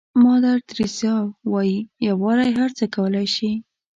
مادر تریسا وایي یووالی هر څه کولای شي.